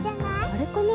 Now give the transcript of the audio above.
あれかな？